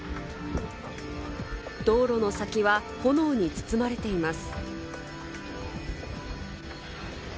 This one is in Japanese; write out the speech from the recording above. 道路の先は炎に包まれています。